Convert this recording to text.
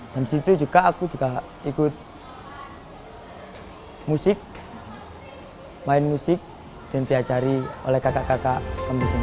dan disitu juga aku ikut musik main musik dan diajari oleh kakak kakak kampung senau